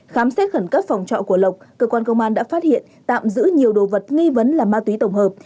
khám xét khẩn cấp phòng trọ của lộc cơ quan công an đã phát hiện tạm giữ nhiều đồ vật nghi vấn là ma túy tổng hợp